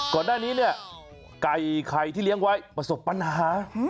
ก่อนหน้านี้เนี่ยไก่ไข่ที่เลี้ยงไว้ประสบปัญหา